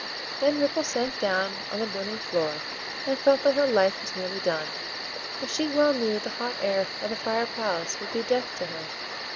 Then Ripple sank down on the burning floor, and felt that her life was nearly done; for she well knew the hot air of the fire palace would be death to her.